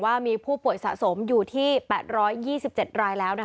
ว่ามีผู้ป่วยสะสมอยู่ที่๘๒๗รายแล้ว